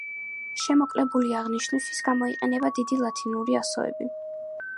შემოკლებული აღნიშვნისთვის გამოიყენება დიდი ლათინური ასოები.